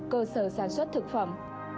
cơ sở sản xuất thực phẩm